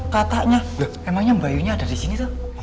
kakaknya emangnya bayunya ada di sini tuh